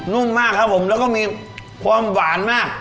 นุ่มมากครับผมแล้วก็มีความหวานมาก